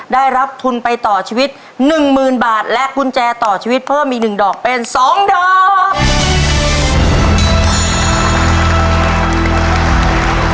ได้รับทุนไปต่อชีวิตหนึ่งหมื่นบาทและกุญแจต่อชีวิตเพิ่มอีกหนึ่งดอกเป็นสองดอก